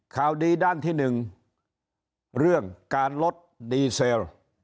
ข่าวดีด้านที่๑เรื่องการลดดีเซล